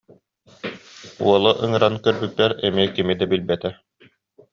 Уолу ыҥыран көрдөрбүппэр эмиэ кими да билбэтэ